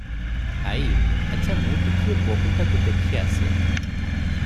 ଆଈ - ଆଚ୍ଛା, ମୁଁ ଟିକିଏ ବୋହୂଟାକୁ ଦେଖି ଆସେ ।